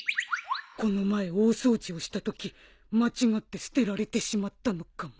この前大掃除をしたとき間違って捨てられてしまったのかも。